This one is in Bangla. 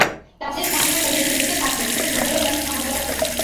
রাজ্যের স্থানীয় পুলিশ নিয়োজিত থাকবে শুধু ভোটারের লাইন সামাল দেওয়ার জন্য।